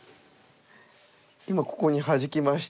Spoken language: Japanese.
今ここにハジきまして。